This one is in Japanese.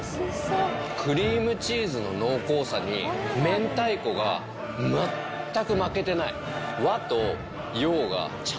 クリームチーズの濃厚さに明太子が全く負けてない。